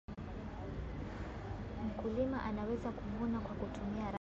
mkulima anaweza kuvuna kwa kutumia rato